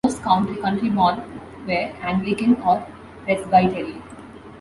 Most Countryborn were Anglican or Presbyterian.